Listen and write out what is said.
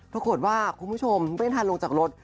ปรากฏว่าคุณผู้ชมไม่ทันลงจากรถ